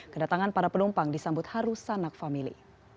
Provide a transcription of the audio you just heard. kedatangan para penumpang disambut harusanak famili